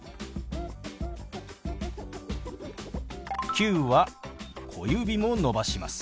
「９」は小指も伸ばします。